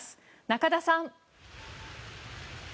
中田さん。